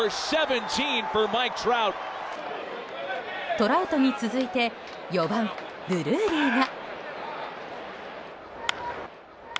トラウトに続いて４番、ドゥルーリーが。